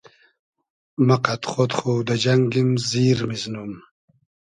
مۂ قئد خۉد خو دۂ جئنگیم زیر میزنوم